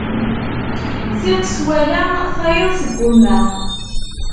Tiṭ twala tayeḍ teggumma.